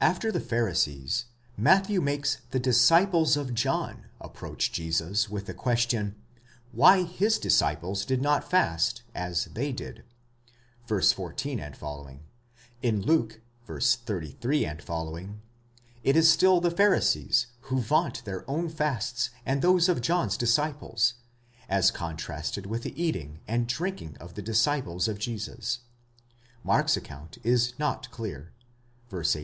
After the Pharisees, Matthew makes the disciples of John approach Jesus with the question, why his disciples did not fast, as they did (v. 14 f.); in Luke (v. 33 ff.) it is still the Pharisees who vaunt their own fasts and those of John's disciples, as contrasted with the eating aand drinking of the dis ciples of Jesus ; Mark's account is not clear (v. 18).